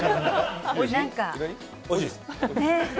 おいしいです。